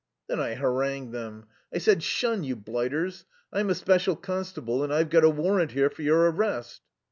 Then I harangued them. I said, 'Shun, you blighters! I'm a special constable, and I've got a warrant here for your arrest.'